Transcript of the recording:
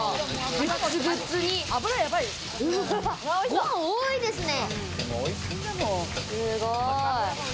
ご飯多いですね！